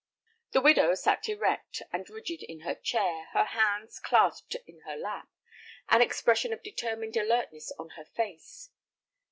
The widow sat erect and rigid in her chair, her hands clasped in her lap, an expression of determined alertness on her face.